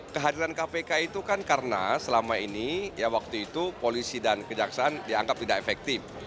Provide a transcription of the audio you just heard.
kehadiran kpk itu kan karena selama ini ya waktu itu polisi dan kejaksaan dianggap tidak efektif